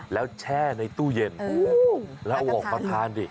แล้วแช่ในตู้เย็นแล้วเอาออกมาทานดิ